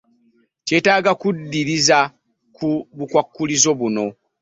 Kyetaaga kuddiriza ku bukwakkulizo buno.